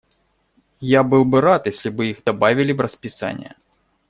Я был бы рад, если бы их добавили в расписание.